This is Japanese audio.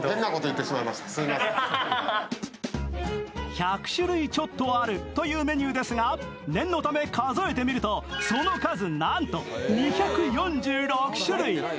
１００種類ちょっとあるというメニューですが、念のため数えてみると、その数なんと２４６種類。